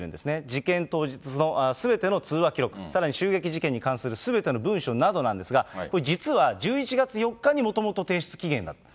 事件当日のすべての通話記録、さらに襲撃事件に関するすべての文書などなんですが、これ、実は１１月４日にもともと提出期限だった。